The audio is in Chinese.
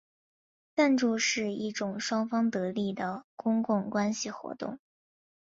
赞助是一种双方得益的公共关系活动。